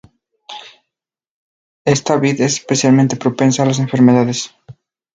Esta vid es especialmente propensa a las enfermedades.